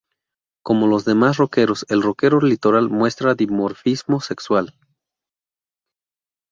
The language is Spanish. Como los demás roqueros, el roquero litoral muestra dimorfismo sexual.